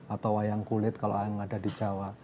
atau wayang kulit kalau yang ada di jawa